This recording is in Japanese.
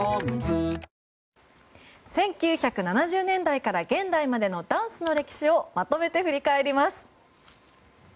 １９７０年代から現代までのダンスの歴史をまとめて振り返ります。